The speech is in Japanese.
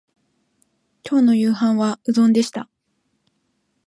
今日の夕飯はうどんでした